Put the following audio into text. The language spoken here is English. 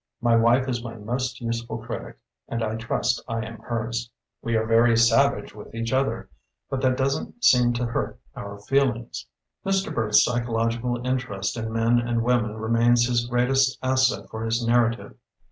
My wife is my most useful critic and I trust I am hers. We are very savage with each other, but that doesn't seem to hurt our feelings." Mr. Burt's psychological interest in men and women remains his greatest asset for his narrative.